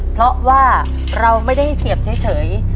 เพราะว่าเราไม่ได้เสียบเฉย